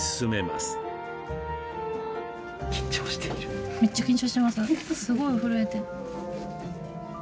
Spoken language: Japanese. すごい震えて。